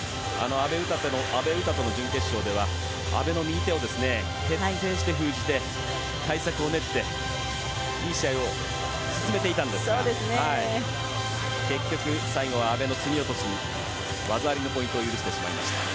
阿部詩との準決勝では阿部の右手を徹底して封じて対策を練っていい試合を進めていたんですが結局、最後は阿部のすみ落としで技ありのポイントを許してしまいました。